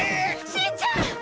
しんちゃん！